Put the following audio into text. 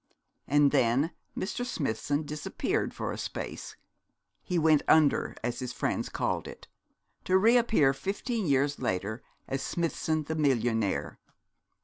And then Mr. Smithson disappeared for a space he went under, as his friends called it; to re appear fifteen years later as Smithson the millionaire.